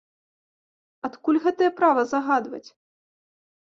Адкуль гэтае права загадваць?